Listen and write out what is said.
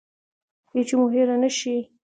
غیچي مو هیره نه شي